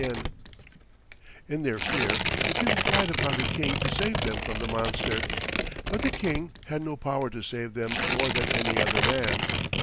In their fear the people cried upon the King to save them from the monster, but the King had no power to save them more than any other man.